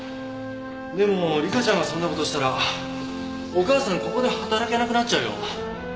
でも理香ちゃんがそんな事したらお母さんここで働けなくなっちゃうよ。